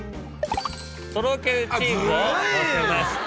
とろけるチーズをのせまして。